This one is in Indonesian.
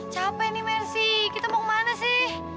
capek nih mersi kita mau kemana sih